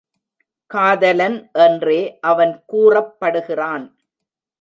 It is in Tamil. காதலன் என்றே அவன் கூறப்படுகிறான்.